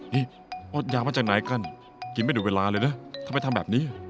นี่อดยามาจากไหนกันกินไม่ดูดเวลาเลยนะทำไมทำแบบนี้